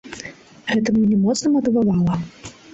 Гэта мяне моцна матывавала.